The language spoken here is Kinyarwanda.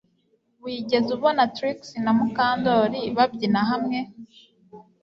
Wigeze ubona Trix na Mukandoli babyina hamwe